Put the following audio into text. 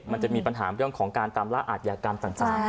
มันจะมีปัญหาเรื่องของการตามล่าอาทยากรรมต่าง